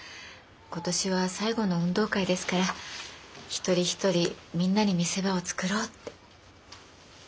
今年は最後の運動会ですから一人一人みんなに見せ場を作ろうって。